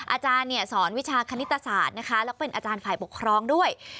อาจารย์เนี่ยสอนวิชาคณิตศาสตร์นะคะแล้วเป็นอาจารย์ฝ่ายปกครองด้วย